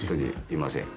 いません。